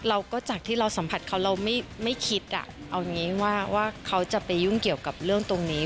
จากที่เราสัมผัสเขาเราไม่คิดเอาอย่างนี้ว่าเขาจะไปยุ่งเกี่ยวกับเรื่องตรงนี้